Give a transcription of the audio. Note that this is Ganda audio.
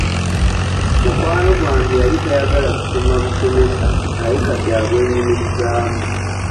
Mukwano gwange yali tayagala kusoma busomesa naye kati abwenyumirizaamu.